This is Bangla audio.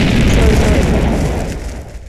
সরে যাও এখান থেকে।